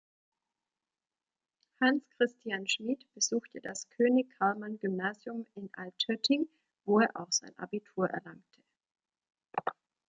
Hans-Christian Schmid besuchte das König-Karlmann-Gymnasium in Altötting, wo er auch sein Abitur erlangte.